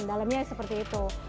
dalamnya seperti itu